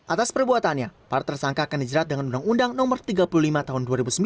atas perbuatannya para tersangka akan dijerat dengan undang undang no tiga puluh lima tahun dua ribu sembilan